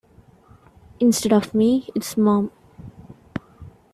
Instead of me, it's mom.